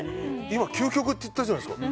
今、究極って言ったじゃないですか。